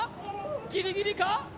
ギリギリか？